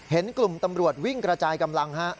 เห็นกลุ่มตำรวจวิ่งกระจายกำลังฮะ